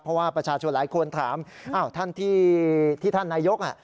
เพราะว่าประชาชนหลายคนถามอ้าวท่านที่ท่านนายก